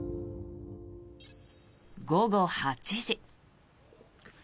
午後８時。